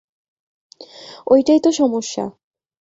ঐটাই তো সমস্যা।